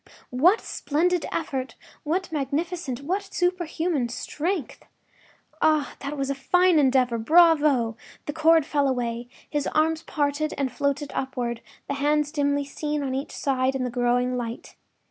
What splendid effort!—what magnificent, what superhuman strength! Ah, that was a fine endeavor! Bravo! The cord fell away; his arms parted and floated upward, the hands dimly seen on each side in the growing light.